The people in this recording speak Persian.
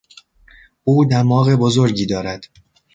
او دماغ بزرگی دارد.